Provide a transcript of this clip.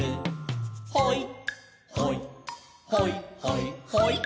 「ほいほいほいほいほい」